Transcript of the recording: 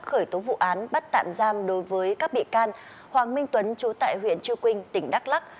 khởi tố vụ án bắt tạm giam đối với các bị can hoàng minh tuấn chú tại huyện chư quynh tỉnh đắk lắc